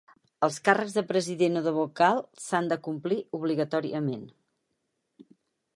Els càrrecs de president o de vocal s’han de complir obligatòriament?